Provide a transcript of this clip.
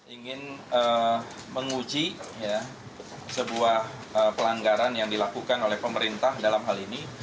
ingin menguji sebuah pelanggaran yang dilakukan oleh pemerintah dalam hal ini